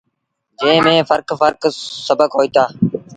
جݩهݩ ميݩ ڦرڪ ڦرڪ سبڪ هوئيٚتآ۔